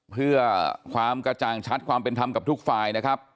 เพื่อความกระจ่างชัดความเป็นธรรมกับทุกฝ่ายนะครับ